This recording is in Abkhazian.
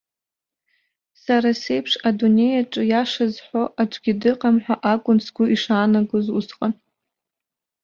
Сара сеиԥш адунеи аҿы иаша зҳәо аӡәгьы дыҟам ҳәа акәын сгәы ишаанагоз усҟан.